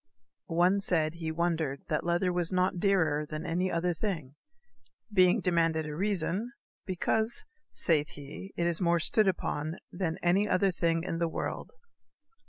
One said he wondered that lether was not dearer than any other thing. Being demanded a reason: because, saith he, it is more stood upon than any other thing in the world.